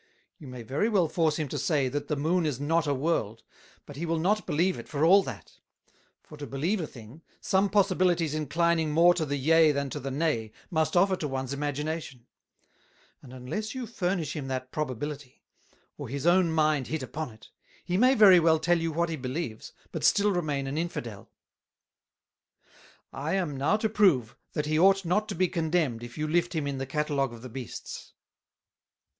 You may very well force him to say, That the Moon is not a World, but he will not believe it for all that; for to believe a thing, some possibilities enclining more to the Yea than to the Nay, must offer to ones Imagination: And unless you furnish him that Probability, or his own mind hit upon it, he may very well tell you that he believes, but still remain an Infidel. [Sidenote: Earth Not the Earth] "I am now to prove, that he ought not to be condemned if you lift him in the Catalogue of Beasts.